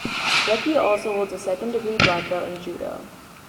Becky also holds a second degree black belt in judo.